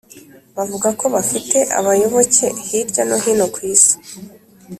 bavuga ko bafite abayoboke hirya no hino ku isi